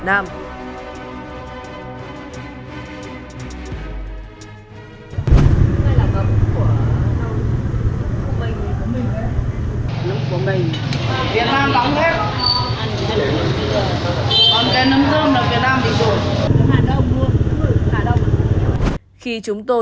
nấm hạt đông luôn